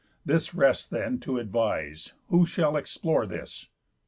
This rests then to advise, Who shall explore this?